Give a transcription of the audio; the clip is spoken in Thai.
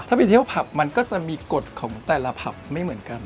ถ้าไปเที่ยวผับมันก็จะมีกฎของแต่ละผับไม่เหมือนกัน